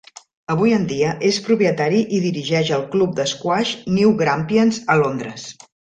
Avui en dia, és propietari i dirigeix el club d'esquaix New Grampians a Londres.